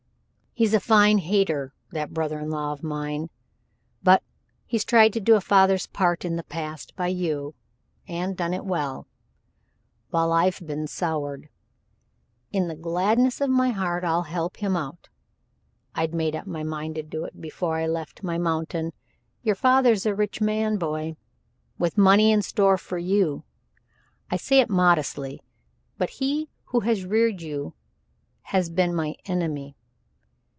He's a fine hater, that brother in law of mine, but he's tried to do a father's part in the past by you and done it well, while I've been soured. In the gladness of my heart I'll help him out I'd made up my mind to do it before I left my mountain. Your father's a rich man, boy with money in store for you I say it in modesty, but he who reared you has been my enemy.